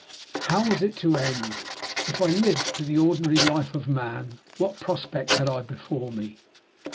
How was it to end? If I lived to the ordinary life of man, what prospect had I before me?